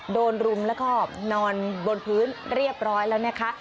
รุมแล้วก็นอนบนพื้นเรียบร้อยแล้วนะคะ